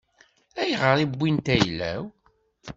Ayɣer i wwint ayla-w?